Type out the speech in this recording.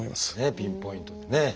ピンポイントでね。